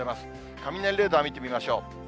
雷レーダー見てみましょう。